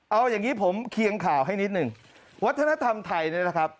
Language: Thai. เอาอย่างนี้ผมเคียงข่าวให้นิดหนึ่งวัฒนธรรมไทยเนี่ยนะครับ